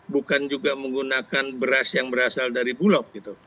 bukan juga menggunakan beras yang berasal dari bulog